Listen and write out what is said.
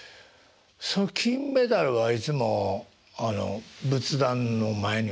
その金メダルはいつもあの仏壇の前に置いてるとか。